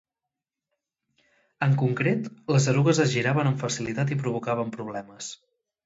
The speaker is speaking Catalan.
En concret, les erugues es giraven amb facilitat i provocaven problemes.